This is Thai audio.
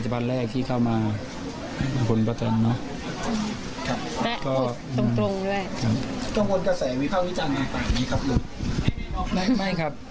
แหมดิครับ